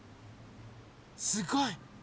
すごい！